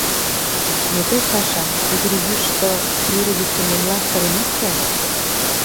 Но тый, Саша, ӱдырйӱшыштӧ пӱрӧ йӱктымемлан сыренат чай?